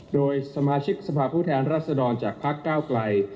โดยสมาชิกสภาพผู้แทนรัศดรจากพักก้าวไกล